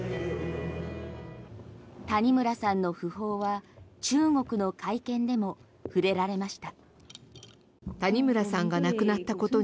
谷村さんの訃報は中国の会見でも触れられました。